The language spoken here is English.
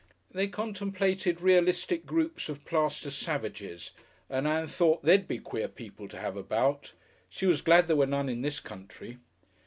They contemplated realistic groups of plaster savages, and Ann thought they'd be queer people to have about. She was glad there were none in this country.